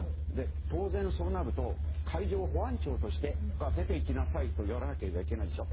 当然、そうなると海上保安庁として出ていきなさいと言わないといけないでしょ。